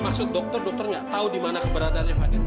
maksud dokter dokter nggak tahu di mana keberadaannya fadil